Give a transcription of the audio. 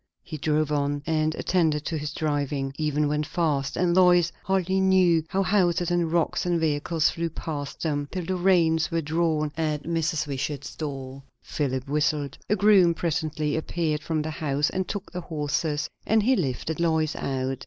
He drove on, and attended to his driving, even went fast; and Lois hardly knew how houses and rocks and vehicles flew past them, till the reins were drawn at Mrs. Wishart's door. Philip whistled; a groom presently appeared from the house and took the horses, and he lifted Lois out.